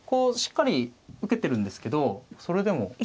しっかり受けてるんですけどそれでも。